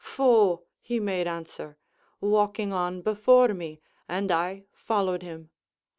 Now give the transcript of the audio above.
'Pho,' he made answer, walking on before me, and I followed him.